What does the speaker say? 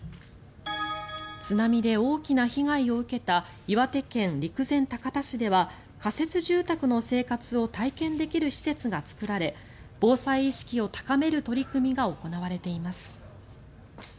津波で大きな被害を受けた岩手県陸前高田市では仮設住宅の生活を体験できる施設が作られ防災意識を高める取り組みが行われています。